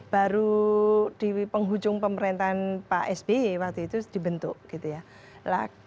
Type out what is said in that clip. baru di penghujung pemerintahan pak sby waktu itu dibentuk gitu ya